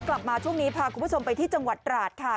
กลับมาช่วงนี้พาคุณผู้ชมไปที่จังหวัดตราดค่ะ